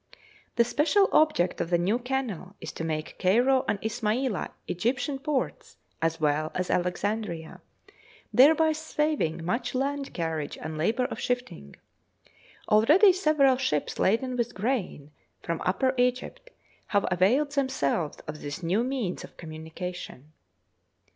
The special object of the new canal is to make Cairo and Ismailia Egyptian ports as well as Alexandria, thereby saving much land carriage and labour of shifting. Already several ships laden with grain, from Upper Egypt, have availed themselves of this new means of communication.